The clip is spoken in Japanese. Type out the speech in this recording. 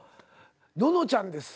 ののちゃんです。